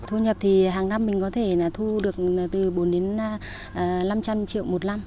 thu nhập thì hàng năm mình có thể thu được từ bốn trăm linh đến năm trăm linh triệu một năm